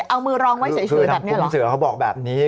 เอามือรองไว้เฉยแบบนี้คุณเสือเขาบอกแบบนี้